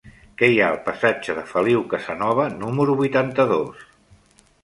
Què hi ha al passatge de Feliu Casanova número vuitanta-dos?